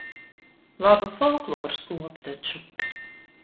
Laba folkloras kopa taču.